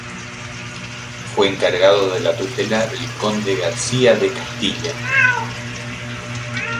Fue encargado de la tutela del conde García de Castilla.